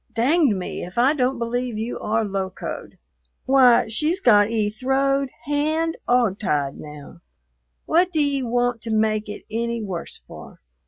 "Dang me if I don't believe you are locoed. Why, she's got 'e throwed hand 'og tied now. What d'e want to make it any worse for?"